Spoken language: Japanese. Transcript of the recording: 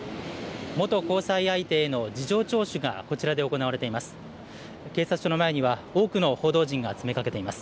元交際相手への事情聴取がこちらで行われています。